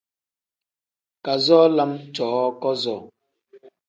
Kazoo lam cooo kazoo.